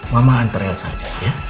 mama antar elsa aja ya